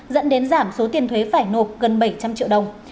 dẫn đến giảm số tiền thuế phải nộp gần bảy trăm linh triệu đồng